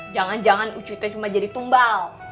jangan jangan ucutnya cuma jadi tumbal